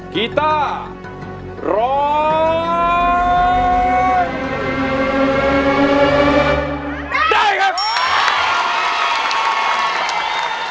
กีต้าร้องได้ครับ